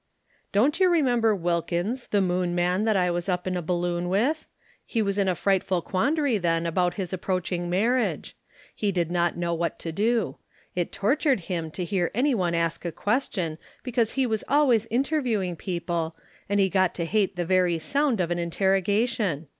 "Don't you remember Wilkins, the Moon man that I was up in a balloon with? He was in a frightful quandary then about his approaching marriage. He did not know what to do. It tortured him to hear anyone ask a question because he was always interviewing people and he got to hate the very sound of an interrogation.